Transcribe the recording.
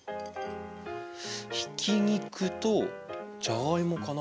ひき肉とじゃがいもかな？